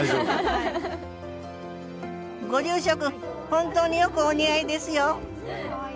本当によくお似合いですよ！